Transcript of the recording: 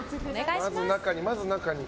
まず、中に。